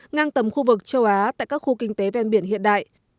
ngang tầm khu vực châu á tại các khu kinh tế ven biển hiện đại